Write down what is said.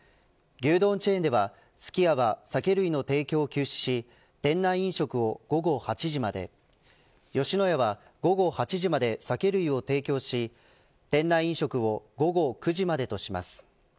牛丼チェーンではすき家は酒類の提供を休止し店内飲食を午後８時まで吉野家は午後８時まで酒類を提供し店内飲食を午後９時までとします。